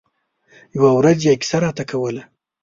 يوه ورځ يې کیسه راته کوله.